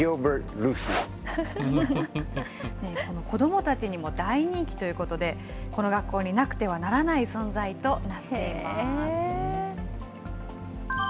子どもたちにも大人気ということで、この学校になくてはならない存在となっています。